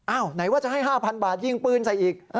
ไหนว่าจะให้๕๐๐บาทยิงปืนใส่อีก